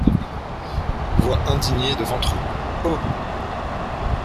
Voix indignée de Ventroux .— Oh !